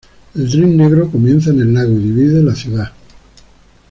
El Drin Negro comienza en el lago y divide la ciudad.